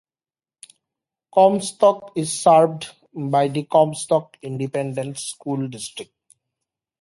Comstock is served by the Comstock Independent School District.